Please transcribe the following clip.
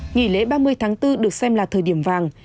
nghỉ lễ ba mươi tháng bốn được xem là thời điểm vàng